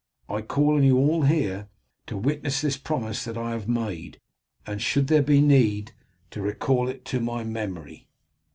I call on you all here to witness this promise that I have made, and should there be need, to recall it to my memory."